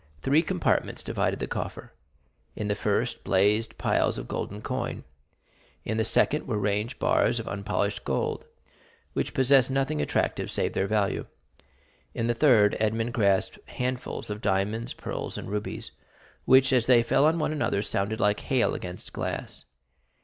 Three compartments divided the coffer. In the first, blazed piles of golden coin; in the second, were ranged bars of unpolished gold, which possessed nothing attractive save their value; in the third, Edmond grasped handfuls of diamonds, pearls, and rubies, which, as they fell on one another, sounded like hail against glass.